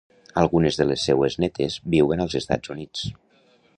Algunes de les seues netes viuen als Estats Units.